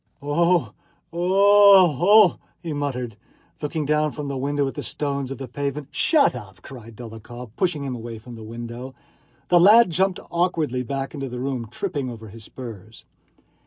"Oh! Oh! Oh!" he muttered, looking down from the window at the stones of the pavement. "Shut up!" cried Dólokhov, pushing him away from the window. The lad jumped awkwardly back into the room, tripping over his spurs.